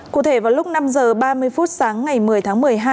cụ thể vào lúc năm h ba mươi phút sáng ngày một mươi tháng một mươi hai